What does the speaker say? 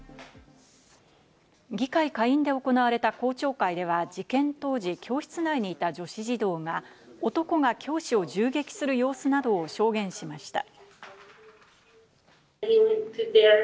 議会下院で行われた公聴会では、事件当時、教室内にいた女子児童が男が教師を銃撃する様子などを証言しました。